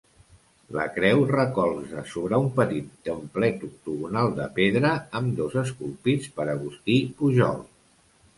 La creu recolza sobre un petit templet octogonal de pedra, ambdós esculpits per Agustí Pujol.